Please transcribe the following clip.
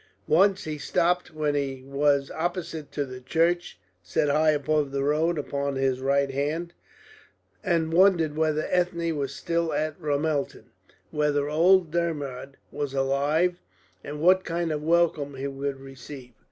Once he stopped when he was opposite to the church, set high above the road upon his right hand, and wondered whether Ethne was still at Ramelton whether old Dermod was alive, and what kind of welcome he would receive.